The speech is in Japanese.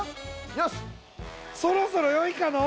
よしそろそろよいかの？